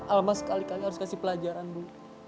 almas sekali kali harus kasih pelajaran bu